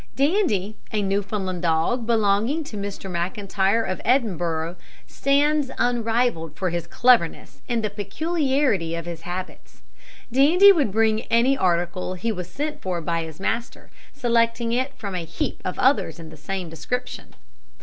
Dandie, a Newfoundland dog belonging to Mr McIntyre of Edinburgh, stands unrivalled for his cleverness and the peculiarity of his habits. Dandie would bring any article he was sent for by his master, selecting it from a heap of others of the same description.